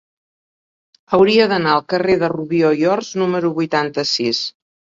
Hauria d'anar al carrer de Rubió i Ors número vuitanta-sis.